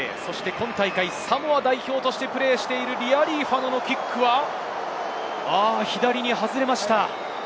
今大会サモア代表としてプレーしているリアリーファノのキックは左に外れました。